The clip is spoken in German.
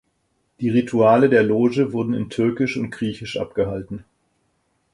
Die Rituale der Loge wurden in Türkisch und Griechisch abgehalten.